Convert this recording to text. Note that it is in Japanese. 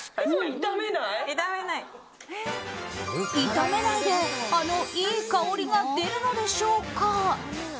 炒めないで、あのいい香りが出るのでしょうか？